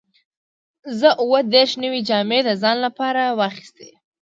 زه اووه دیرش نوې جامې د ځان لپاره واخیستې.